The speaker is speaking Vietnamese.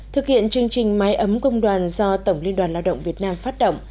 thực hiện chương trình mái ấm công đoàn do tổng liên đoàn lao động việt nam phát động